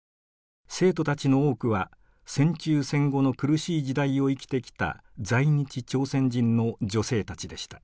生徒たちの多くは戦中戦後の苦しい時代を生きてきた在日朝鮮人の女性たちでした。